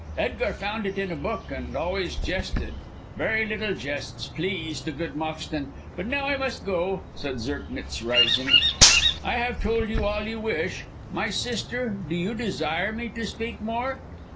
Edgar found it in a book and always jested. Very little jests pleased the good Moxton. But now I must go," said Zirknitz, rising. "I have told you all you wish. My sister, do you desire me to speak more?